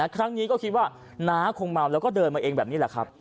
ครั้งนี้ก็คิดว่าน้าคงเมาแล้วก็เดินมาเองแบบนี้แหละครับ